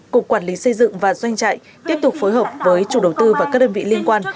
cục quản lý xây dựng và doanh trại tiếp tục phối hợp với chủ đầu tư và các đơn vị liên quan